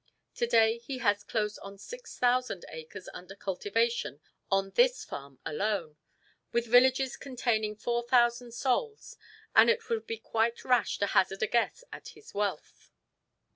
To day he has close on six thousand acres under cultivation on this farm alone, with villages containing four thousand souls, and it would be quite rash to hazard a guess at his wealth.